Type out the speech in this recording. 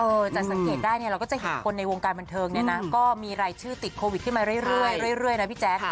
เออจะสังเกตได้เนี้ยเราก็จะเห็นคนในวงการบันเทิงเนี้ยนะก็มีรายชื่อติดโควิดที่มาเรื่อยเรื่อยเรื่อยเรื่อยนะพี่แจ๊ค